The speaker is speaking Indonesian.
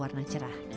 kain berwarna cerah